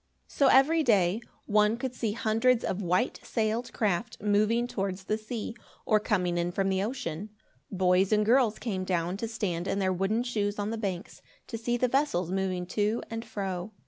So every day, one could see hundreds of white sailed craft moving towards the sea, or coming in from the ocean. Boys and girls came down to stand in their wooden shoes on the banks, to see the vessels moving to and fro.